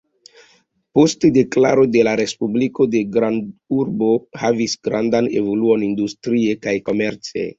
Post deklaro de la respubliko la grandurbo havis grandan evoluon industrie kaj komerce.